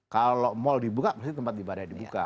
kalau mal dibuka pasti tempat ibadah dibuka